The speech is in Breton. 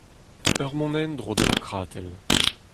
Ur mont en-dro demokratel.